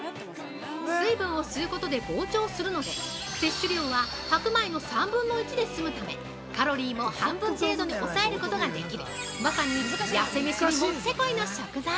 水分を吸うことで膨張するので、摂取量は白米の３分の１で済むためカロリーも、半分程度に抑えることができるまさに、痩せめしにもってこいの食材！